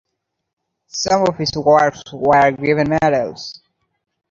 Some of his works were given medals.